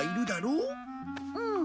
うん。